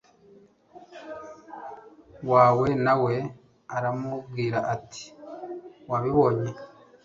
wawe na we aramubwira ati wabibonye